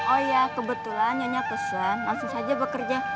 oh ya kebetulan nyonya pesan langsung saja bekerja